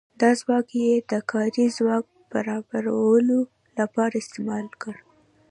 دا ځواک یې د کاري ځواک برابرولو لپاره استعمال کړ.